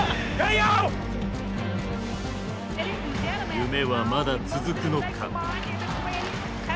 夢はまだ続くのか。